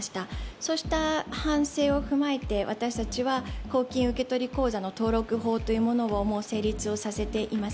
そうした反省を踏まえて私たちは公金受取口座の方法を成立させています。